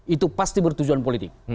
itu pasti bertujuan politik